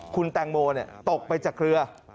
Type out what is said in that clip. คุณแตงโมตกไปจากเครือ